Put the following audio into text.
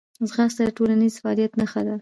ځغاسته د ټولنیز فعالیت نښه ده